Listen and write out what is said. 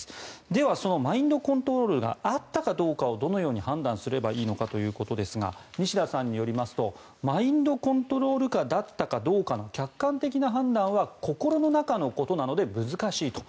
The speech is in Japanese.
ではそのマインドコントロールがあったかどうかをどのように判断すればいいのかということですが西田さんによりますとマインドコントロール下だったかどうかの客観的な判断は心の中のことなので難しいと。